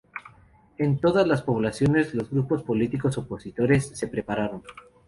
En todas las poblaciones los grupos políticos opositores se prepararon.